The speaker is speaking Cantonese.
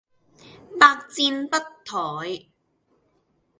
百戰不殆